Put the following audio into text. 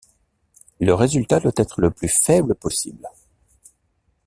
Le résultat doit être le plus faible possible.